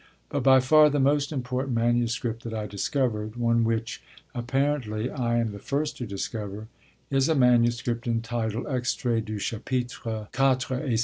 But by far the most important manuscript that I discovered, one which, apparently, I am the first to discover, is a manuscript entitled Extrait du Chapitre 4 et 5.